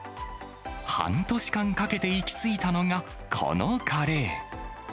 半年間かけて行き着いたのが、このカレー。